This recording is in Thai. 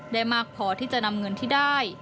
ได้มากพอที่จะนำเงินที่ได้